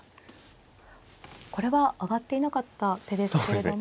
これは挙がっていなかった手ですけれども。